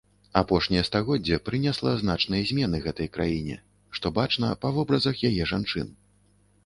Апошняе стагоддзе прынесла значныя змены гэтай краіне, што бачна па вобразах яе жанчын.